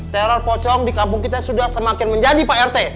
teror pocong dikabung kita sudah semakin menjadi pak rt